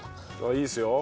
いいですよ。